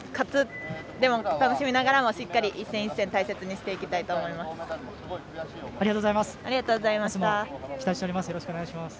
楽しみながらもしっかり一戦一戦大切にしていきたいと思います。